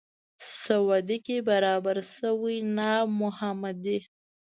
سعودي کې برابر شوی ناب محمدي.